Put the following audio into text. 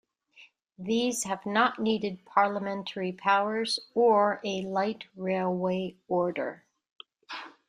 These have not needed parliamentary powers or a light railway order.